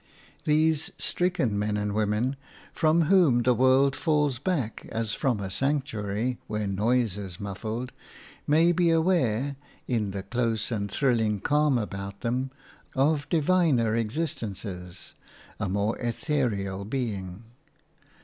These stricken men and women, from whom the world falls back as from a sanctuary where noise is muffled, may be aware, in the close and thrilling calm about them, of diviner existences, a more ethereal being.